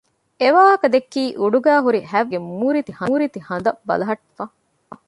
އެވާހަކަ ދެއްކީ އުޑުގައި ހުރި ހަތްވަނަ ރޭގެ މޫރިތި ހަނދަށް ބަލަހައްޓައިގެން ހުރެފަ